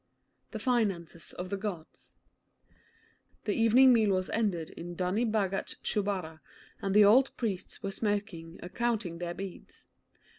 THE FINANCES OF THE GODS The evening meal was ended in Dhunni Bhagat's Chubara, and the old priests were smoking or counting their beads.